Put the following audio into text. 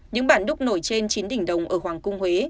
những bản đúc nổi trên chín đỉnh đồng ở hoàng cung huế